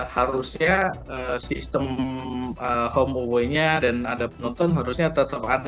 harusnya sistem home away nya dan ada penonton harusnya tetap ada